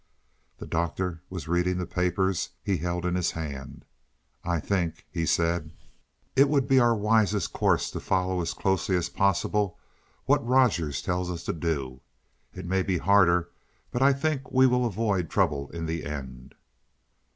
The Doctor was reading the papers he held in his hand. "I think," he said, "it would be our wisest course to follow as closely as possible what Rogers tells us to do. It may be harder, but I think we will avoid trouble in the end."